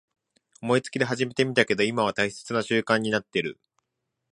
思いつきで始めてみたけど今では大切な習慣になってる